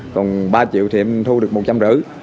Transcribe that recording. còn ba triệu thì em thu được một trăm linh rưỡi